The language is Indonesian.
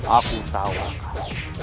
aku tahu kan